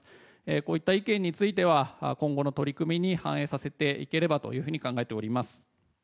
こういった意見については今後の取り組みに反映させていければと考えております。